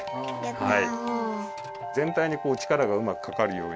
はい！